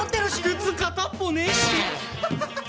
靴片っぽねえし。